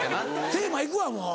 テーマいくわもう！